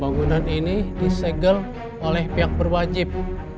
bangunan ini disegel oleh pihak berwajib